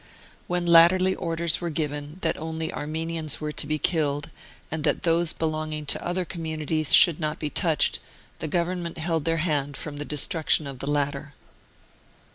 When latterly orders were given that only Armenians were to be killed, and that those belong ing to other communities should not be touched, the Government held their hand from the destruction of the latter.